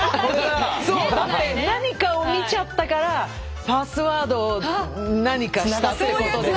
だって何かを見ちゃったからパスワードを何かしたってことでしょ？